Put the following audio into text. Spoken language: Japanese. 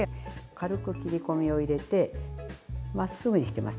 軽く切り込みを入れてまっすぐにしてます。